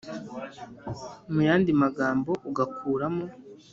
mu yandi magambo ugakuramo